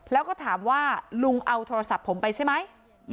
แล้วก็ถามว่าลุงเอาโทรศัพท์ผมไปใช่ไหม